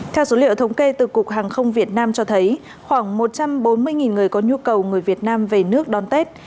theo số liệu thống kê từ cục hàng không việt nam cho thấy khoảng một trăm bốn mươi người có nhu cầu người việt nam về nước đón tết